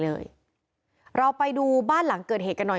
พุ่งเข้ามาแล้วกับแม่แค่สองคน